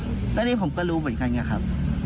แล้วนี่ผมก็รู้เหมือนกันไงครับ